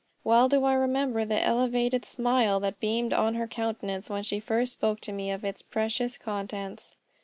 Well do I remember the elevated smile that beamed on her countenance when she first spoke to me of its precious contents.